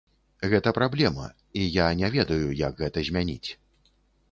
Гэта праблема, і я не ведаю, як гэта змяніць.